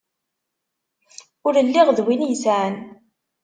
Ur lliɣ d win yesɛan.